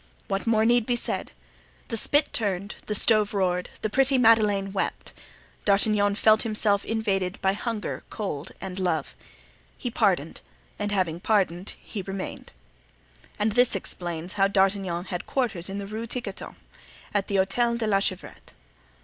What more need be said? The spit turned, the stove roared, the pretty Madeleine wept; D'Artagnan felt himself invaded by hunger, cold and love. He pardoned, and having pardoned he remained. And this explains how D'Artagnan had quarters in the Rue Tiquetonne, at the Hotel de la Chevrette.